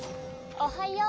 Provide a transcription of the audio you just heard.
おはよう！